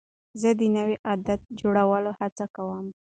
زه د نوي عادت جوړولو هڅه کوم.